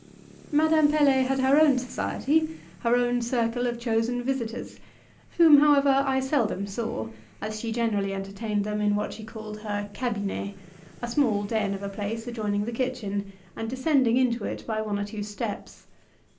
Madame Pelet had her own society, her own circle of chosen visitors, whom, however, I seldom saw, as she generally entertained them in what she called her "cabinet," a small den of a place adjoining the kitchen, and descending into it by one or two steps.